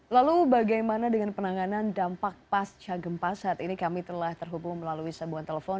lalu bagaimana dengan penanganan dampak pasca gempa saat ini kami telah terhubung melalui sambungan telepon